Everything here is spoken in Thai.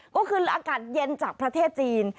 ก็คืออากาศเย็นจากประเทศจีน